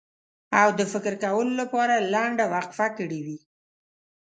او د فکر کولو لپاره یې لنډه وقفه کړې وي.